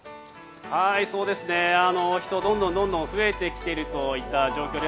人がどんどん増えてきているといった状況です。